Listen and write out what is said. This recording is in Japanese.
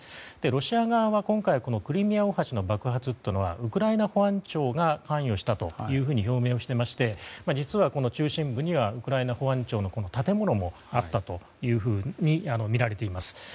ロシア側は、クリミア大橋の爆発というのはウクライナ保安庁が関与したと表明していまして実は、中心部にはウクライナ保安庁の建物もあったとみられています。